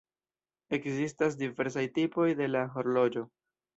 Ekzistas diversaj tipoj de la horloĝo.